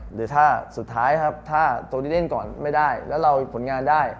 หรือถ้าสุดท้ายครับถ้าตัวนี้เล่นก่อนไม่ได้แล้วเราผลงานได้